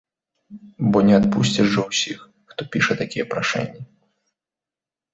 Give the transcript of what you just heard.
Бо не адпусціш жа ўсіх, хто піша такія прашэнні?